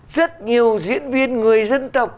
rất nhiều diễn viên người dân tộc